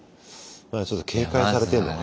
ちょっと警戒されてんのかな？